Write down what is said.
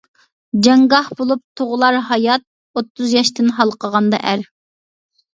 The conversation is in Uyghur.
جەڭگاھ بولۇپ تۇغۇلار ھايات ئوتتۇز ياشتىن ھالقىغاندا ئەر.